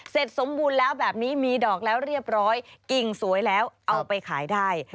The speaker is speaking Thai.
สมบูรณ์แล้วแบบนี้มีดอกแล้วเรียบร้อยกิ่งสวยแล้วเอาไปขายได้